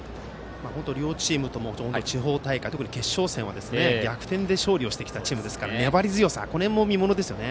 本当に両チームとも地方大会、特に決勝戦は逆転で勝利をしてきたチームですから粘り強さも見ものですね。